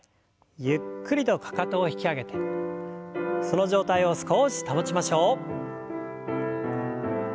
ゆっくりとかかとを引き上げてその状態を少し保ちましょう。